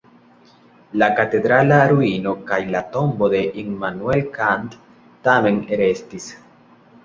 La katedrala ruino kaj la tombo de Immanuel Kant tamen restis.